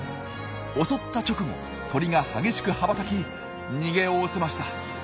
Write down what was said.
襲った直後鳥が激しく羽ばたき逃げおおせました。